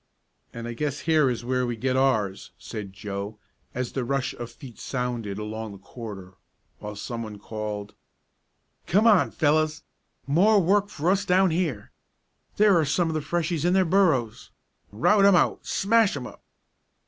"And I guess here is where we get ours," said Joe, as the rush of feet sounded along the corridor, while someone called: "Come on, fellows. More work for us down here. There are some of the Freshies in their burrows. Rout 'em out! Smash 'em up!"